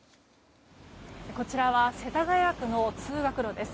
こちらは世田谷区の通学路です。